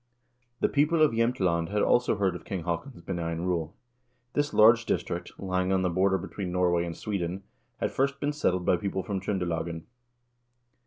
The people of Jsemtland had also heard of King Haakon's benign rule. This large district, lying on the border between Norway and Sweden, had first been settled by people from Tr0ndelagen.